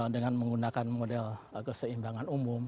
dengan menggunakan model keseimbangan umum